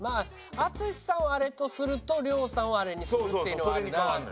淳さんをあれとすると亮さんをあれにするっていうのはあるなっていう。